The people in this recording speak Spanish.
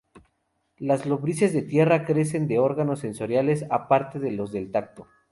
Las lombrices de tierra carecen de órganos sensoriales aparte de los del tacto.